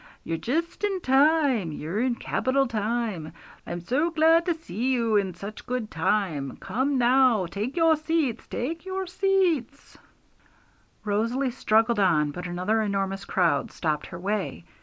You're just in time, you're in capital time; I'm so glad to see you in such good time. Come now, take your seats, take your seats!' Rosalie struggled on, but another enormous crowd stopped her way.